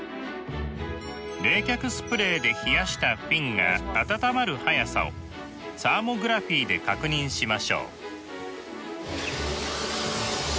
冷却スプレーで冷やしたフィンが暖まる速さをサーモグラフィーで確認しましょう。